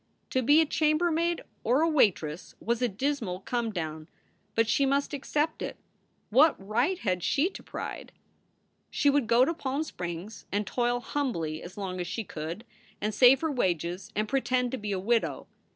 To be a chambermaid or a waitress was a dismal come down, but she must accept it. What right had she to pride? SOULS FOR SALE 119 She would go to Palm Springs and toil humbly as long as she could, and save her wages and pretend to be a widow.